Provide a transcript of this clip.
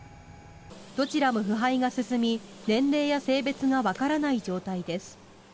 どちらも腐敗が進み年齢や性別がわからない状態です。